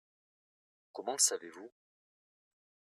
Comment le savez-vous ?